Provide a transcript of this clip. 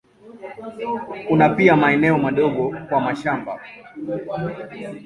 Kuna pia maeneo madogo kwa mashamba.